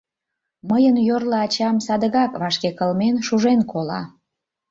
— Мыйын йорло ачам садыгак вашке кылмен, шужен кола.